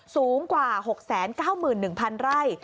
สูงกว่า๖๙๑๐๐๐ไร่